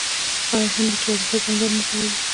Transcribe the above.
آیا هند د چابهار بندر نه جوړوي؟